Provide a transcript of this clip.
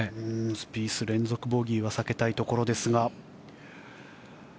スピース、連続ボギーは避けたいところですが。